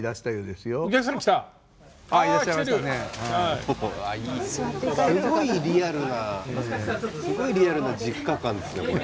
すごいリアルなすごいリアルな実家感ですよこれ。